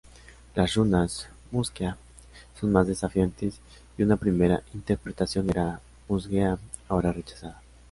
Las runas '"mus:kia'" son más desafiantes y una primera interpretación era "Mus-Gea", ahora rechazada.